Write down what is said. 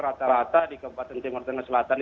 rata rata di kabupaten timur tengah selatan